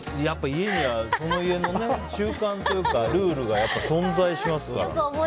家にはその家の習慣というかルールが存在しますから。